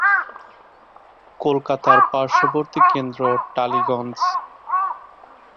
কলকাতার পাশ্ববর্তী কেন্দ্র টালিগঞ্জ।